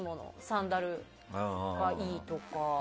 サンダルがいいとか。